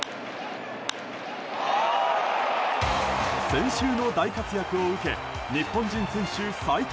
先週の大活躍を受け日本人選手最多